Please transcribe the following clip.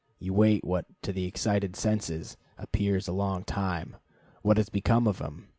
You wait what, to the excited senses, appears a long time. What has become of him?